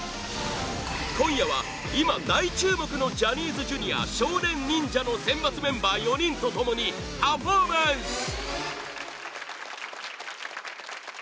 今夜は今、大注目のジャニーズＪｒ．少年忍者の選抜メンバー４人と共にパフォーマンス！